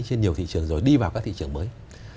trên nhiều thị trường rồi đi vào các thị trường mới